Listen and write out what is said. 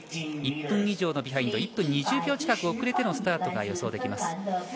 １分以上のビハインド１分２０秒近く遅れてのスタートが予想できます。